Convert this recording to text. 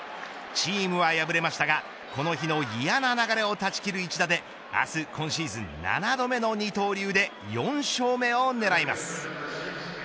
チームは敗れましたがこの日の嫌な流れを断ち切る一打で明日今シーズン７度目の二刀流で４勝目を狙います。